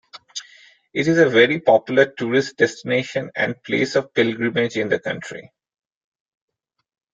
It is a very popular tourist destination and place of pilgrimage in the country.